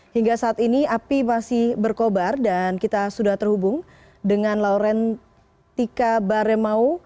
hingga saat ini api masih berkobar dan kita sudah terhubung dengan laurentika baremau